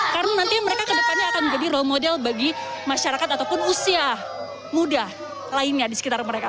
karena nanti mereka kedepannya akan menjadi role model bagi masyarakat ataupun usia muda lainnya di sekitar mereka